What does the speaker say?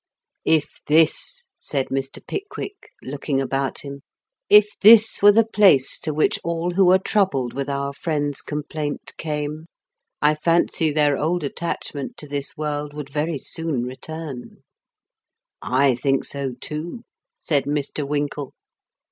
"* If this/ said Mr. Pickwick, looking about him, ' if this were the place to which all who are troubled with our friend's com plaint came, I fancy their old attachment to this world would very soon return/ "* I think so too,' said Mr. Winkle.